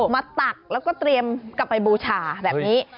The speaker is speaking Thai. ตักแล้วก็เตรียมกลับไปบูชาแบบนี้